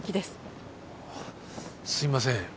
すいません僕は。